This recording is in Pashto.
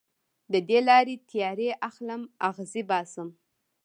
د دې لارې تیارې اخلم اغزې باسم